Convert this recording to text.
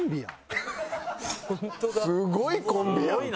すごいコンビやんか。